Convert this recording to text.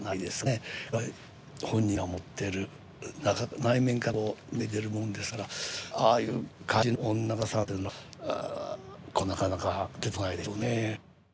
これは本人が持ってる内面からこうにおい出るもんですからああいう感じの女方さんっていうのは今後なかなか出てこないでしょうね。